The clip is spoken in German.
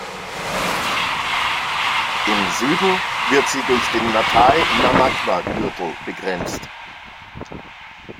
Im Süden wird sie durch den Natal-Namaqua-Gürtel begrenzt.